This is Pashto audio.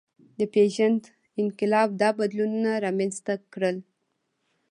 د پېژند انقلاب دا بدلونونه رامنځ ته کړل.